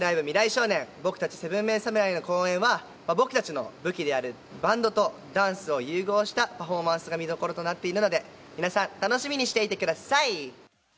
少年僕たち７ＭＥＮ侍の公演は僕たちの武器であるバンドとダンスを融合したパフォーマンスが見どころとなっているので皆さん楽しみにしていてください！